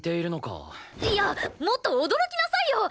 いやもっと驚きなさいよ！